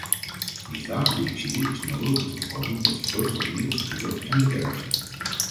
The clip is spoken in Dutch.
Die zwaveldioxide is nodig om te voorkomen dat de vrucht onmiddellijk verkleurt en bederft.